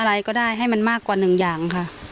อะไรก็ได้ให้มันมากกว่าหนึ่งอย่างค่ะ